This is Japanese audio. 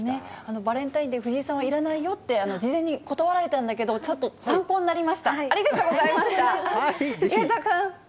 バレンタインデー、藤井さんはいらないよって事前に断られたんだけど、ちょっと参考になりま